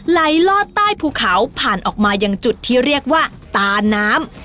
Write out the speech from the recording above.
ลอดใต้ภูเขาผ่านออกมายังจุดที่เรียกว่าตาน้ำ